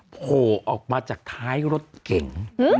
โผล่ออกมาจากท้ายรถเก๋ง